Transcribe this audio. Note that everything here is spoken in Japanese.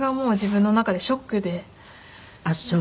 あっそう。